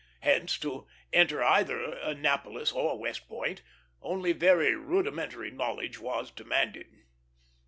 Hence, to enter either Annapolis or West Point only very rudimentary knowledge was demanded.